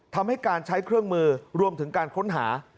ทำให้การใช้เครื่องมือรวมถึงการค้นหา